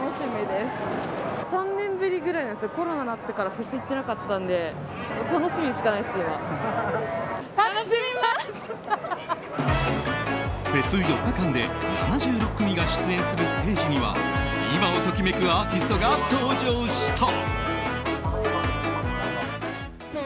フェス４日間で７６組が出演するステージには今を時めくアーティストが登場した。